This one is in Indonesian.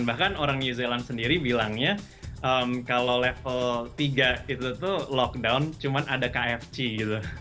bahkan orang new zealand sendiri bilangnya kalau level tiga itu tuh lockdown cuma ada kfc gitu